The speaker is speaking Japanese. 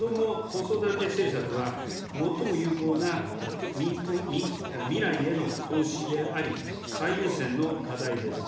こども・子育て政策は、最も有効な未来への投資であり、最優先の課題です。